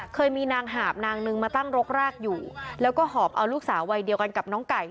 เคยมีนางหาบนางนึงมาตั้งรกรากอยู่แล้วก็หอบเอาลูกสาววัยเดียวกันกับน้องไก่